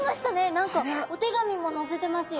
何かお手紙ものせてますよ。